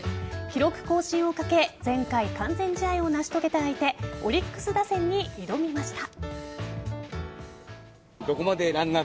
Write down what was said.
記録更新をかけ前回、完全試合を成し遂げた相手オリックス打線に挑みました。